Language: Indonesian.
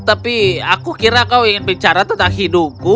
tapi aku kira kau ingin bicara tentang hidupku